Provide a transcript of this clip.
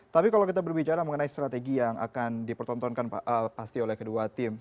tapi kalau kita berbicara mengenai strategi yang akan dipertontonkan pasti oleh kedua tim